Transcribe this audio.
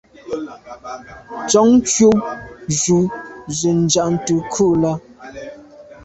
Nson yub ju ze Njantùn ghù là.